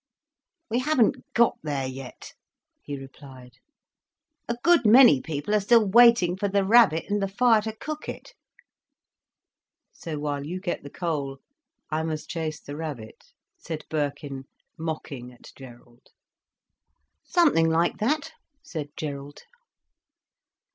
"We haven't got there yet," he replied. "A good many people are still waiting for the rabbit and the fire to cook it." "So while you get the coal I must chase the rabbit?" said Birkin, mocking at Gerald. "Something like that," said Gerald.